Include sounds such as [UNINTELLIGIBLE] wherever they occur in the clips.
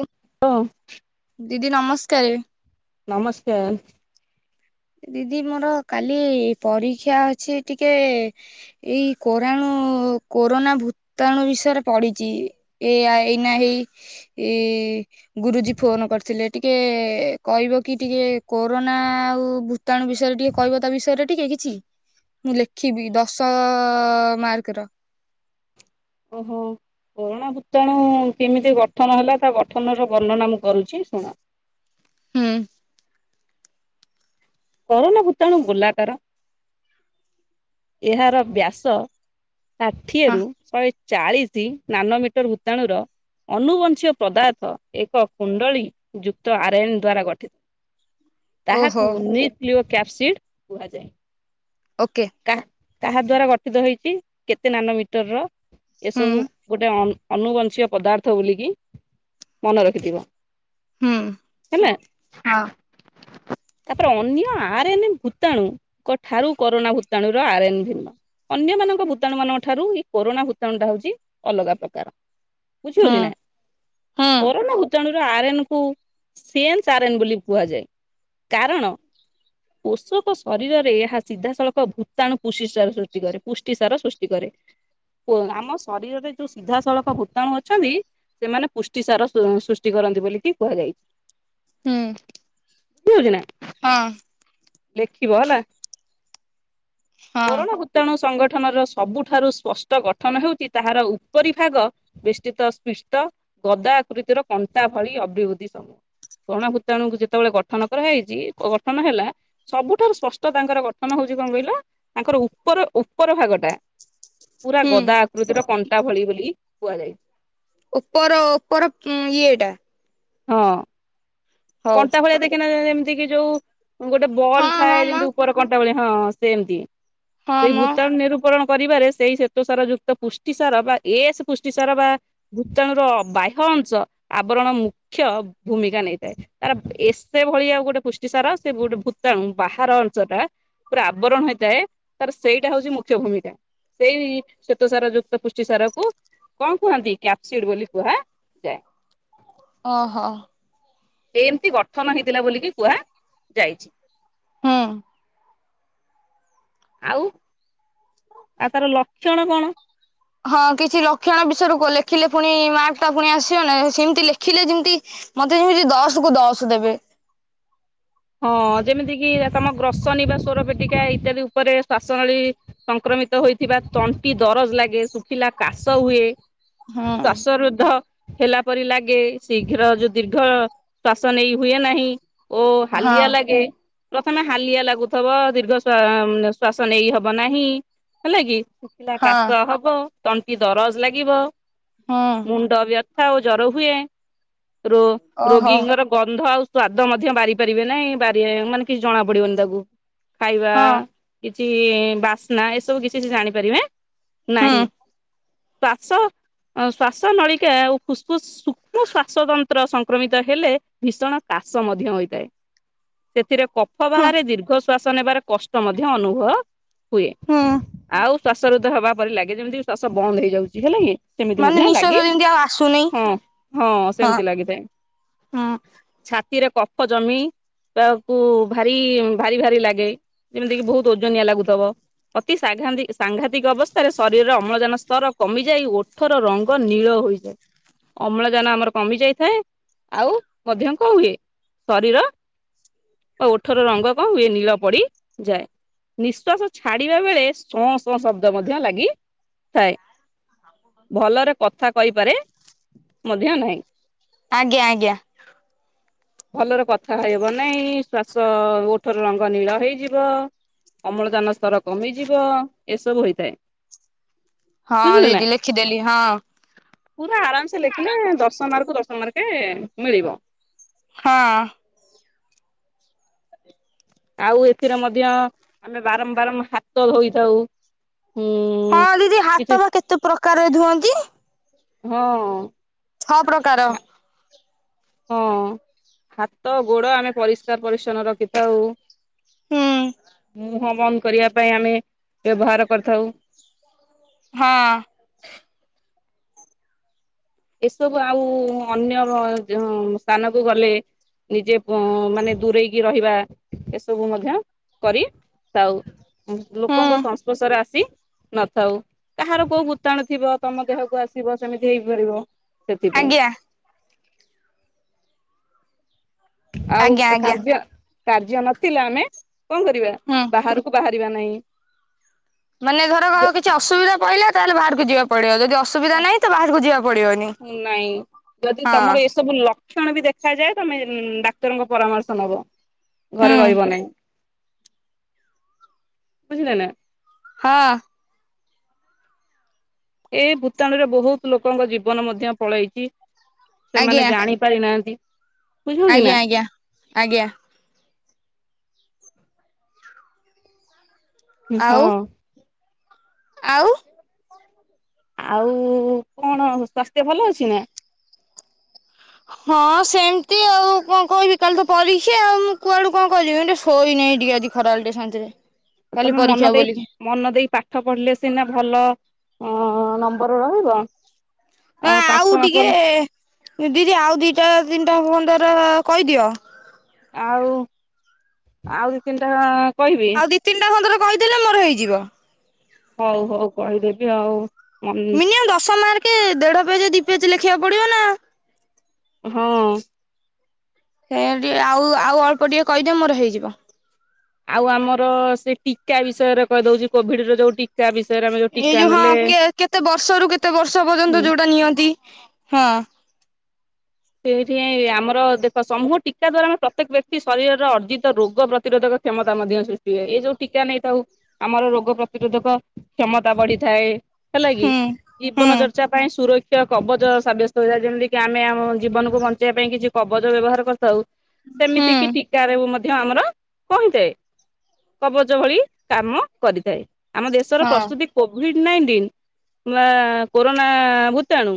ହଁ ଲୋ ଦିଦି ନମସ୍କାରେ। ନମସ୍କାର। ଏ ଦିଦି ମୋର କାଲି ପରୀକ୍ଷା ଅଛି ଟିକେ ଏଇ କୋରାଣୁ କୋରୋନା ଭୂତାଣୁ ବିଷୟରେ ପଡିଚି। ଏ ଆଇ ଏଇନା ହେଇ ଏ ଗୁରୁଜୀ ଫୋନ କରିଥିଲେ, ଟିକେ କହିବ କି ଟିକେ କୋରୋନା ଆଉ ଭୂତାଣୁ ବିଷୟରେ ଟିକେ କହିବ ତା ବିଷୟରେ ଟିକେ କିଛି। ମୁଁ ଲେଖିବି ଦଶ ମାର୍କ ର। ଓ, ହଉ। କୋରୋନା ଭୂତାଣୁ କେମିତି ଗଠନ ହେଲା ତା ଗଠନର ବର୍ଣ୍ଣନା ମୁଁ କରୁଚି, ଶୁଣ? ହୁଁ। କରୋନା ଭୂତାଣୁ ଗୋଲାକାର। ଏହାର ବ୍ୟାସ ହଁ ଷାଠିଏରୁ ଶହେ ଚାଳିଶ ନାନ ମିଟର ଭୂତାଣୁର ଅନୁବଂଶୀୟ ପଦାର୍ଥ ଏକ କୁଣ୍ଡଳୀ ଯୁକ୍ତ ଆର୍ଏନ୍ ଦ୍ଵାରା ଗଠିତ। ଓହୋ। ତାହାକୁ ନଲିଓ କ୍ୟାପ୍ସିଡ କୁହାଯାଏ। [UNINTELLIGIBLE] ଓକେ। କାହା କାହା ଦ୍ଵାରା ଗଠିତ ହେଇଚି, କେତେ ନାନ ମିଟରର, ହୁଁ ଏସବୁ ଗୋଟେ ଅଁ ଅନନୁବଂଶୀୟ ପଦାର୍ଥ ବୁଲିକି, ମନେ ରଖିଥିବ। ହୁଁ ହେଲା? ହଁ ତାପରେ ଅନ୍ୟ ଆର୍ଏନ୍ ଭୂତାଣୁଙ୍କ ଠାରୁ କରୋନା ଭୂତାଣୁର ର ଆର୍ନ୍ ଭିନ୍ନ। ଅନ୍ୟମାନଙ୍କ ଭୂତାଣୁ ମାନଙ୍କ ଠାରୁ ଏଇ କୋରୋନା ଭୂତାଣୁ ଟା ହଉଚି ଅଲଗା ପ୍ରକାର। ବୁଝି ହୁଁ ହଉଚି ନା? ହୁଁ କରୋନା ଭୁତାଣୁର ଆର୍ଏନ କୁ ସେନ୍ସ ଆର୍ଏନ୍ ବୋଲି କୁହାଯାଏ। କାରଣ ପୋଷକ ଶରୀରରେ ଏହା ସିଧାସଳଖ ଭୂତାଣୁ ପୁଷ୍ଟିସାର ସୃଷ୍ଟି କରେ। ପୁଷ୍ଟି ସାର ସୃଷ୍ଟି ସୃଷ୍ଟି କରେ। ଆମ ଶରୀରରେ ଯୋଉ ସିଧାସଳଖ ଭୂତାଣୁ ଅଛନ୍ତି ସେମାନେ ପୁଷ୍ଟି ସାର ସୁ ସୃଷ୍ଟି କରନ୍ତି ବୋଲିିକି କୁହାଯାଇ ହୁଁ ଯିବକି ନା ହଁ। ଲେଖିବ ହେଲା। ହଁ କୋରଣ ଭୁତ୍ କୀଟଣୁ ସଂଗଠନର ସବୁଠାରୁ ସ୍ପଷ୍ଟ ଗଠନ ହେଉଚି, ତାହାର ଉପରି ଭାଗ ବିଷ୍ଠିତ ସ୍ପିଷ୍ଟ, ଗଦା ଆକୃତିର କଣ୍ଟା ଭଳି ଅଭିବୃଦ୍ଧି ସମୂ କଣା ଭୂତାଣୁଙ୍କୁ ଯେତେବେଳେ ଗଠନ କରାହେଇଚି, ଅ ଗଠନ ହେଲା ସବୁଠାରୁ ସ୍ପଷ୍ଟ ତାଙ୍କର ଗଠନ ହୋଉଛି କଅଁ କହିଲ, ତାଙ୍କର ଉପର ଉପର ଭାଗଟା। ପୁରା ହୁଁ। ଗଦା ଆକୃତିର କଣ୍ଟା ଭଳି ବୋଲି କୁହାଯାଇଛି। ଉପର ଓପର ଇଏ ଟା। ହଁ। ହଉ। କଣ୍ଟା ଭଳିଆ ଦେଖିନା ଏମତିକି ଯୋଉ ଗୋଟେ ବଲ୍ ହଁ ଥାଏ ହଁ ମା ଯେମିତି ଉ ଉପର କଣ୍ଟା ଭଳିଆ ହଁ ସେମତି। ହଁ ସେଇ ମ ଭୂତାଣୁ ରୁ ଉପରଣ କରିବାରେ ସେଇ ଶ୍ୱେତସାର ଯୁକ୍ତ ପୁଷ୍ଟିସାର ବା ଏସ୍ ପୁଷ୍ଟିସାର ବା ଭୂତାଣୁ ର ବାହ୍ୟ ଅଂଶ, ଆବରଣ ମୁଖ୍ୟ ଭୂମିକା ନେଇଥାଏ। ତାର ଏସ୍ପେ ଭଳିଆ ଗୋଟେ ପୁଷ୍ଟିସାର ସେ ଗୋଟେ ଭୂତାଣୁ ବାହାର ଅଂଶ ଟା ପୁରା ଆବରଣ ହେଇଥାଏ ତାର ସେଇଟା ହଉଚି ମୁଖ୍ୟ ଭୂମିକା। ସେଇ ଶ୍ଵେତସାର ଯୁକ୍ତ ପୁଷ୍ଟିସାର କୁ କଣ କୁହନ୍ତି, କ୍ୟାପସିଡ୍ ବୋଲି କୁହା ଓ ହ। ଏମତି ଗଠନ ହେଇଥିଲା ବୋଲିକି କୁହା ଯାଇଚି। ହୁଁ। ଆଉ ଆଉ ତାର ଲକ୍ଷଣ କଣ? ହଁ କିଛି ଲକ୍ଷଣ ବିଷୟର କୁ ଲେଖିଲେ ପୁଣି ମାର୍କ ଟା ପୁଣି ଆସିବ ନା। ସେମତି ଲେଖିଲେ ପୁଣି ଯେମତି ମତେ ଯେମିତି ଦଶ କୁ ଦଶ ଦେବେ। ହଁ। ଯେମିତି କିି ତମ ଗ୍ରସନୀ ବା ସ୍ୱର ପେଟିକା ଇତ୍ୟାଦି ଉପରେ ଶ୍ଵାସନଳୀ ସଂକ୍ରମିତ ହୋଇଥିବା ତଣ୍ଟି ଦରଜ୍ ଲାଗେ, ଶୁଖିଲା କାଶ ହୁଏ। ହୁଁ ଶ୍ୱାସରୁଦ୍ଧ ହେଲା ପରି ଲାଗେ। ଶୀଘ୍ର ଯୋଉ ଦୀର୍ଘ ଶ୍ଵାସ ନେଇ ହୁଏ ନାହିଁ। ଓ ହଁ ହାଲିଆ ଲାଗେ। ପ୍ରଥମେ ହାଲିଆ ଲାଗୁଥିବ। ଦୀର୍ଘ ଶ୍ୱା ଶ୍ୱାସ ନେଇ ହବ ନାହିଁ, ହେଲା କି। ଶୁଖିଲା ହଁ କାଶ ହବ, ତଣ୍ଟି ଦରଜ୍ ଲାଗିବ। ହୁଁ। ମୁଣ୍ଡ ବ୍ୟଥା ଓ ଜର ହୁଏ। ରୋ ଓହୋ ରୋଗୀଙ୍କର ଗନ୍ଧ ଆଉ ସ୍ଵାଦ ମଧ୍ୟ ବାରି ପାରିବେ ନାହିଁ,। ବାରି ମାନେ କିଛି ଜଣା ପଡିବନି ତାକୁ। ଖାଇବା, ହଁ। କିଛି ବାସ୍ନା ଏସବୁ କିଛି ସେ ଜାଣିପାରିବେ ହୁଁ ନାହିଁ। ଶ୍ଵାସ ଶ୍ଵାସ ନଳିକା ଆଉ ଫୁସଫୁସ୍ ସୂକ୍ଷ୍ମ ଶ୍ୱାସତନ୍ତ୍ର ସଂକ୍ରମିତ ହେଲେ, ଭୀଷଣ କାଶ ମଧ୍ୟ ହୋଇଥାଏ। ସେଥିରେ କଫ ହୁଁ ବାହାରେ, ଦୀର୍ଘ ଶ୍ଵାସ ନେବାରେ କଷ୍ଟ ମଧ୍ୟ ଅନୁଭବ ହୁଏ। ହୁଁ ଆଉ ଶ୍ଵାସ ରୁଦ୍ଧ ହେବା ପରି ଲାଗେ, ଯେମିତିକି ଶ୍ଵାସ ବନ୍ଦ ହେଇଯାଉଚି ହେଲା କି। ସେମିତି ମାନେ ମଧ୍ୟ ନିଶ୍ୱାସ ଲାଗି, ଯେମିତି ଆଉ ଆସୁନି ହଁ ହଁ ସେମିତି ଲାଗିଥାଏ। ହୁଁ। ଛାତିରେ କଫ ଜମି ତାକୁ ଭାରି, ଭାରି ଭାରି ଲାଗେ। ଯେମିତିକିି ବହୁତ୍ ଓଜନିଆ ଲାଗୁଥବ। ଅତି ସାଘାନ୍ତିକ୍, ସାଙ୍ଘାତିକ୍ ଅବସ୍ଥାରେ ଶରୀରର ଅମ୍ଳଜାନ ସ୍ତର କମିଯାଇ ଓ ଓଠର ରଙ୍ଗ ନୀଳ ହୋଇଯାଏ। ଅମ୍ଳଜାନ ଆମର କମି ଯାଇଥାଏ। ଆଉ ମଧ୍ୟ କଣ ହୁଏ ଶରୀର ଓ ଓଠର ରଙ୍ଗ କଣ ହୁଏ ନୀଳ ପଡି ଯାଏ। ନିଶ୍ଵାସ ଛାଡିବା ବେଳେ ସଂ ସଂ ଶବ୍ଦ ମଧ୍ୟ ଲାଗି ଥାଏ। ଭଲରେ କଥା କହିପାରେ ମଧ୍ୟ ନାହିଁ। ଆଜ୍ଞା ଆଜ୍ଞା। ଭଲରେ କଥା ହେଇ ହବ ନାଇଁ। ଶ୍ଵାସ ଓଠର ରଙ୍ଗ ନୀଳ ହେଇଯିବ। ଅମ୍ଳଜାନ ସ୍ତର କମିଯିବ, ଏସବୁ ହୋଇଥାଏ। ହଁ ଦିଦି ଲେଖିଦେଲି ହଁ। ପୁରା ଆରାମସେ ଲେଖିଲେ ଦଶ ମାର୍କୁ ଦଶ ମାର୍କେ ମିଳିବ। ହଁ। ଆଉ ଏଥିରେ ମଧ୍ୟ ଆମେ ବାରମ୍ବାରମ୍ ହାତ ଧୋଇଥାଉ ଉଁ ହଁ ଦିଦି କିଛି ହାତବା କେତେ ପ୍ରକାରରେ ଧୁଅନ୍ତି। ହଁ। ଛ ପ୍ରକାର ହଁ ହାତ ଗୋଡ଼ ଆମେ ପରିଷ୍କାର ପରିଛନ୍ନ ରଖିଥାଉ ହୁଁ। ମୁହଁ ବନ୍ଦ କରିବା ପାଇଁ ଆମେ ବ୍ୟବହାର କରିଥାଉ ହଁ। ଏସବୁ ଆଉ ଅନ୍ୟ [UNINTELLIGIBLE] ସ୍ଥାନକୁ ଗଲେ ନିଜେ ମାନେ ଦୂରେଇକି ରହିବା ଏସବୁ ମଧ୍ୟ କରି ଥାଉ ଲୋକଙ୍କ ହୁଁ ସଂସ୍ପର୍ଶରେ ଆସି ନଥାଉ କାହାର କୋଉ ଭୂତାଣୁ ଥିବ ତମ ଦେହକୁ ଆସିବ ସେମିତି ହେଇପାରିବ ସେଥିପାଇଁ। ଆଜ୍ଞା ଆଉ ଆଜ୍ଞା ଆଜ୍ଞା କାର୍ଯ୍ୟ କାର୍ଯ୍ୟ ନଥିଲା ଆମେ କଣ କରିବା ହଁ। ବାହାରକୁ ବାହାରିବା ନାହିଁ ମାନେ ଘର କିଛି ଅସୁବିଧା ପଇଲା ତାହେଲେ ବାହାରକୁ ଯିବା। ପଡ଼ିବ ଯଦି ଅସୁବିଧା ହଁ ନାହିଁ ତବାହାରକୁ ଯିବାକୁ ପଡ଼ିବନି ହଁ। ସବୁ ଲକ୍ଷଣବି ଦେଖାଯାଏ ତମେ ଡାକ୍ତରଙ୍କ ପରାମର୍ଶ ନବ। ଘରେ ହୁଁ ରହିବନାହିଁ ବୁଝିଲେନା। ହଁ। ଏଇ ଭୂତାଣୁରେ ବହୁତ୍ ଲୋକଙ୍କ ଜୀବନ ମଧ୍ୟ ପଳେଇଚି ସେମାନେ ଆଜ୍ଞା ଜାଣି ପାରିନାହାନ୍ତି। ବୁଝିହଉଛି ଆଜ୍ଞା ନା ଆଜ୍ଞା ଆଜ୍ଞା। ଆଉ ହଁ। ଆଉ? ଆଉ କଣ ସ୍ୱାସ୍ଥ୍ୟ ଭଲ ଅଛିନା? ହଁ ସେମିତି ଆଉ କଣ କହିବି କାଲିତ ପରୀକ୍ଷା ଆଉ ମୁଁ କୁଆଡ଼ୁ କଣ କହିବି ମୁଟିକେ ଶୋଇନାହିଁ ଟିକେ ଆଜି ଖରାବେଳେ ଟିକେ ସାନ୍ତିରେ। ତମେ ମନ ଦେଇ ମନ ଦେଇ ପାଠ ପଢିଲେ ସିନା ଭଲ ଅଁ ନମ୍ବର ରହିବ ନା ପାଠ ଆଉ ନ ଟିକେ ପଢିଲେ ଦିଦି ଆଉ ଦିଟା ତିନିଟା ପନ୍ଦର କହିଦିଅ? ଆଉ ଆଉ ଦି ତିନିଟା କହିବି? ଦିଇ ତିନିଟା କନ୍ତର କହିଦେଲେ ମୋର ହେଇଯିବ। ହଉ ହଉ କହିଦେବି ଆଉ। ମିନିମମ୍ ଦଶ ମାର୍କେ ଦେଢ଼ ପେଜ୍ ଦୁଇ ପେଜ୍ ଲେଖିବାକୁ ପଡ଼ିବନା। ହଁ। ସେଟ ଆଉ ଆଉ ଅଳ୍ପ ଟିକେ କହିଦିଅ ମୋର ହେଇଯିବ। ଆଉ ଆମର ସେ ଟୀକା ବିଷୟରେ କହିଦଉଚି କୋଭିଡ଼ିର ଯୋଉ ଟୀ ତା ବିଷୟରେ ଆ ଏଇ ଯୋଉ ହଁ କେ କେତେ ବର୍ଷରୁ କେତେ ବର୍ଷ ପର୍ଯ୍ୟନ୍ତ ହୁଁ ଯୋଉଟା ନିଅନ୍ତି ହଁ। ସେଇଥିପାଇଁ ଆମର ଦେଖ ସମୂହ ଟିକା ଦ୍ଵାରା ଆମେ ପ୍ରତ୍ୟେକ ବ୍ୟକ୍ତି ଶରୀରର ଅର୍ଜିତ ରୋଗ ପ୍ରତିରୋଧକ କ୍ଷମତା ମଧ୍ୟ ସୃଷ୍ଟି ହୁଏ ଏ ଯୋଉ ଟୀକା ନେଇଥାଉ ଆମର ରୋଗ ପ୍ରତିରୋଧକ କ୍ଷମତା ବଢିଥାଏ ହେଲାକିି ହୁଁ ହୁଁ ଜୀବନ ଚର୍ଚା ପାଇଁ ସୁରକ୍ଷା କବଚ ସାବ୍ୟସ୍ତ ହୋଇଥାଏ ଯେମିତିକିି ଆମେ ଆମ ଜୀବନକୁ ବଞ୍ଚେଇବା ପାଇଁ କିଛି କବଜ ବ୍ୟବହାର କରିଥାଉ ହୁଁ ସେମିତିକିି ଟିକାରେ ମଧ୍ୟ ଆମର କହିଥାଏ କବଜ ଭଳି କାମ କରିଥାଏ ଆମ ଦେଶର ହଁ ପ୍ରସ୍ତୁତି କୋଭିଡ୍ ନାଇଣ୍ଟିନ୍ ବା କୋରୋନା ଭୂତାଣୁ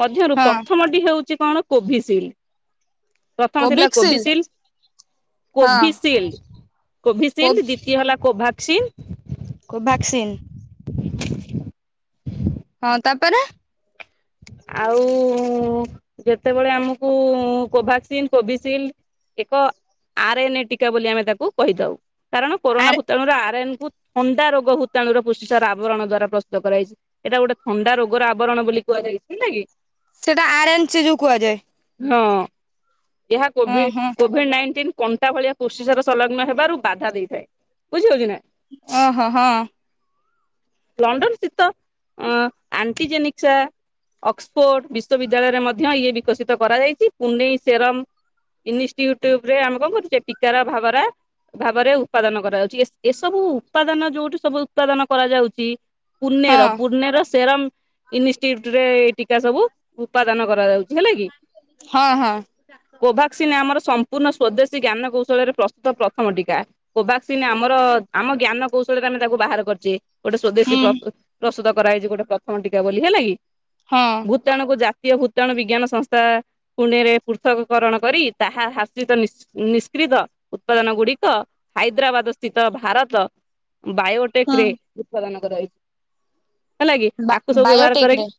ମଧ୍ୟରୁ ହଁ ପ୍ରଥମ ଟି ହଉଛି କଣ କୋଭିସିଲ୍ ପ୍ରଥମ ଥିଲା କୋଭିକ୍ସିଲ୍ କୋଭିସିଲ୍, ହଁ କୋଭିସିଲ୍, କୋଭିସିଲ୍ କୋଭ୍ ଦ୍ୱିତୀୟ ହେଲା କୋଭାକ୍ସିନ୍ କୋଭାକ୍ସିନ୍। ହଁ ତାପରେ ଆଉ କେତେବେଳେ ଆମକୁ କୋଭାକ୍ସିନ୍, କୋଭିସିଲ୍ ଏକ ଆରଏନଏ ଟିକା ବୋଲି ଆମେ ତାକୁ କହିଥାଉ। କାରଣ କରୋନା ଆରେ ଭୂତାଣୁର ଆର୍ ଏନ୍ କୁ ଥଣ୍ଡା ରୋଗ ଭୂତାଣୁର ର ପୁଷ୍ଟିସାର ଆବରଣ ଦ୍ଵାରା ପ୍ରସ୍ତୁତ କରାଯାଇଚି। ଏଇଟା ଗୋଟେ ଥଣ୍ଡା ରୋଗର ଆବରଣ ବୋଲି କୁହାଯାଇଚି ହେଲା କି। ସେଇଟା ଆରେନ୍ଚ ଯଉ କୁହାଯାଏ। ହଁ ଏହା ଅଁ କୋଭିଡ୍ ହଁ କୋ କୋଭିଡ୍ ନାଇଣ୍ଟିନ୍ କଣ୍ଟା ଭଳିଆ ପୁଷ୍ଟିସାର ସଂଲଗନ ହେବାରୁ ବାଧା ଦେଇଥାଏ ବୁଝି ହଉଚି ନା। ଓହୋ ହଁ। ଲଣ୍ଡନ ସ୍ଥିତ ଅଁ ଆଣ୍ଟିଜେନିକ୍ ଚା ଅକ୍ସପୋର୍ଡ ବିଶ୍ୱବିଦ୍ୟାଳୟରେ ମଧ୍ୟ ଇଏ ବିକଶିତ କରାଯାଇଚି। ପୁନେଇ ସେରମ୍ ଇନଷ୍‌ଟ୍ୟୁବ୍ ରେ ଆମ୍ଭକୁ ଚେକିକାର ଭାବରା ଭାବରେ ଉପାଦନା କରାଯାଉଚି। ଏ ଏସବୁ ଉପାଦାନ ଯୋଉଠି ସବୁ ଉତ୍ପାଦନ କରାଯାଉଚି ହଁ ପୁନେର ପୁନେର ସେରମ୍ ଇନଷ୍‌ଟ୍ଯୁଟ୍‌ରେ ଏ ଟିକା ସବୁ ଉପାଦାନ କରାଯାଉଚି ହେଲା କି। ହଁ ହଁ କୋଭାକ୍ସିନ୍ ଆମର ସମ୍ପୂର୍ଣ୍ଣ ସ୍ଵଦେଶୀ ଜ୍ଞାନ କୌଶଳରେ ପ୍ରସ୍ତୁତ ପ୍ରଥମ ଟୀକା। କୋଭାକ୍ସିନ୍ ଆମର ଆମ ଜ୍ଞାନ କୌଶଳରେ ଆମେ ତାକୁ ବାହାର କରିଚେ। ଗୋଟେ ସ୍ଵଦେଶୀ ହୁଁ ପ୍ରସ୍ତୁତ୍ ପ୍ରସ୍ତୁତ କରାଯାଇଚି ଗୋଟେ ପ୍ରଥମ ଟୀକା ବୋଲି ହେଲା କି। ହଁ। ଭୂତାଣୁକୁୁ ଜାତୀୟ ଭୂତାଣୁ ବିଜ୍ଞାନ ସଂସ୍ଥା ପୁନେରେ ପୁଷ୍ପ ବିପରଣ କରି ତାହା ହାସିତ ନିଶ୍ଚି ନିଷ୍କ୍ରିତ ଉତ୍ପାଦନ ଗୁଡିକ ହାଇଦ୍ରାବାଦ୍ ସ୍ତିତ ଭାରତ ବାୟୋଟେକ୍ ହୁଁ ରେ ଉତ୍ପାଦନ କରାଯାଇଚି। ହେଲା କି ବା ଆକୁ ସବୁ ବ୍ୟବହାର ବାୟୋଟେକ୍ ରେ କରିକି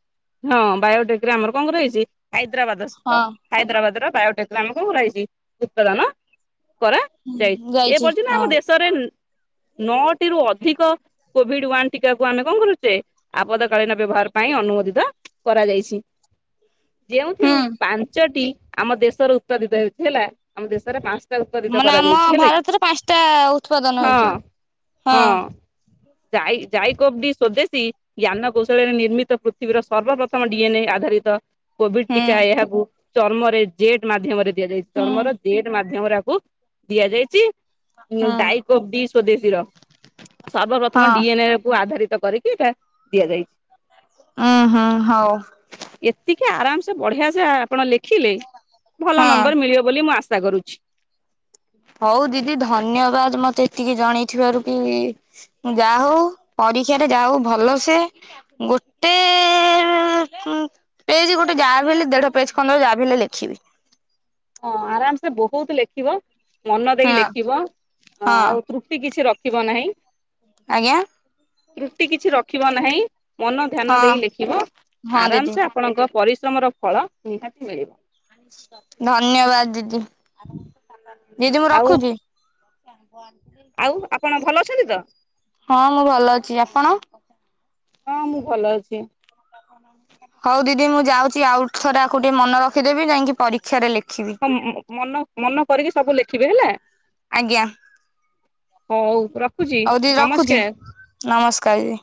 ହଁ ବାୟୋଟେକ୍‌ ରେ ଆମର କଣ କରାଯାଇଚି ହାଇଦ୍ରାବାଦ୍ ସ୍ତିତ ହଁ ହାଇଦ୍ରାବାଦ୍ ର ବାୟୋଟେକ୍‌ରେ ଆମର କଣ କରାଯାଇଚି? ଉତ୍ପାଦାନ କରାଯାଇଚି। ଏ ଯାଇଛି ପର୍ଯ୍ୟନ୍ତ ହଁ। ଆମ ଦେଶରେ ନଅଟି ରୁ ଅଧିକ କୋଭିଡ୍ ୱାନ୍ ଟିକାକୁ ଆମେ କଣ କରୁଚେ ଆପଦକାଳୀନ ବ୍ୟବହାର ପାଇଁ ଅନୁମତି କରାଯାଇଛି। ଯେଉଁଥିରୁ ହୁଁ ପାଞ୍ଚଟି ଆମ ଦେଶରେ ଉତ୍ପାଦିତ ହେଉଚି ହେଲା। ଆମ ଦେଶରେ ପା ତା ଉତ୍ପାଦିତ ମାନେ ଆମ କରାଯାଇଛି ହେଲା କି? ଭାରତରେ ପାଞ୍ଚଟା ଉତ୍ପାଦନ ହେଇଛି। ହଁ। ହଁ। ଯାଇ ଜାଇ କୋବି ସ୍ଵଦେଶୀ ଜ୍ଞାନ କୌଶଳରେ ନିର୍ମିତ ପୃଥିବୀର ସର୍ବପ୍ରଥମ ଡି ଏନ୍ ଏ ଆଧାରିତ କୋଭିଡ୍ ହୁଁ ଟିକା। ଏହାକୁ ଚର୍ମରେ ଜେଟ୍ ମାଧ୍ୟମରେ ଦିଆଯାଇଚି ହୁଁ ଚର୍ମର ଜେଡ୍ ମାଧ୍ୟମରେ ଆକୁ ଦିଆଯାଇଚି ଏଣୁ ହୁଁ ଦାୟି ଓ ବି ସ୍ଵଦେଶୀର ହଁ ସର୍ବପ୍ରଥମ ଡି ଏନ୍ ଏ କୁ ଆଧାରିତ କରିକି ଏଇଟା ଦିଆଯାଇଚି। ଓହୋ ହଉ। ଏତିକି ଆରାମ ସେ ବଢ଼ିଆ ସେ ଆପଣ ଲେଖିଲେ ଭଲ ହଁ ନମ୍ବର ମିଳିବ ବୋଲି ମୁଁ ଆଶା କରୁଛି। ହଉ ଦିଦି ଧନ୍ୟବାଦ ମତେ ଏତିକି ଜଣେଇଥିବାରୁ କି ଯା ହଉ, ପରୀକ୍ଷାରେ ଯା ହଉ ଭଲସେ ଗୋଟେ ଉନ୍ ପେଜ୍ ଗୋଟେ ଯାହା ବି ହେଲେ ଦେଢ ପେଜ୍ ଖଣ୍ଡେ ଯାହାବି ହେଲେ ଲେଖିବି। ହଁ ଆରାମ୍ ସେ ବହୁତ୍ ଲେଖିବ। ମନ ଦେଇ ହଁ ଲେଖିବ ହଁ ଆଉ ତୃ ଟି କିଛି ରଖିବ ନାହିଁ। ଆଜ୍ଞା। ତ୍ରୁଟି କିଛି ରଖିବ ନାହିଁ। ମନ ଧ୍ୟାନ ହଁ ଦେଇ ଲେଖିବ ହଁ ଦିଦି ଆରାମ ସେ ଆ ଆପଣଙ୍କ ପରିଶ୍ରମର ଫଳ ନିହାତି ମିଳିବ। ଧନ୍ୟବାଦ୍ ଦିଦି। ଦିଦି ମୁଁ ଆଉ ରଖୁଚି। ଆଉ ଆପଣ ଭଲ ଅଛନ୍ତି ତ ହଁ ମୁଁ ଭଲ ଅଛି। ଆପଣ? ହଁ ମୁଁ ଭଲ ଅଛି। ହଁ ନମସ୍କାର ହଉ ଦିଦି ମୁଁ ଯାଉଛି ଆଉ ଥରେ ଆକୁ ଟିକେ ମନ ରଖିଦେବି ଯାଇକି ପରୀକ୍ଷାରେ ଲେଖ ହଁ ମନ ମନ କରିକି ସବୁ ଲେଖିବେ ହେଲା। ଆଜ୍ଞା ହଉ ରଖୁଛି ହଉ ଦିଦି ରଖୁଛି ନମସ୍କାର ନମସ୍କାର ଦିଦି